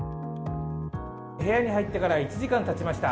部屋に入ってから１時間たちました。